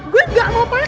gue gak mau pacar lo